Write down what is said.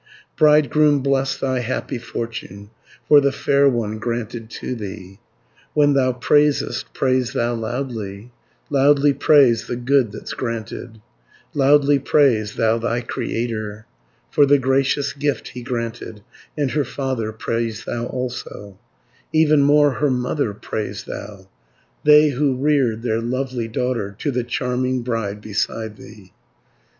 "Bridegroom, bless thy happy fortune, For the fair one granted to thee, When thou praisest, praise thou loudly, Loudly praise the good that's granted, Loudly praise thou thy Creator, For the gracious gift He granted, And her father praise thou also, Even more her mother praise thou, 20 They who reared their lovely daughter To the charming bride beside thee.